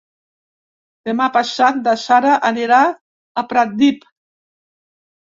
Demà passat na Sara anirà a Pratdip.